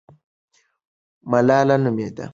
ملاله نومېده.